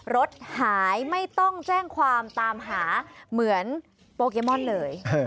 รถหายไม่ต้องแจ้งความตามหาเหมือนโปเกมอนเลย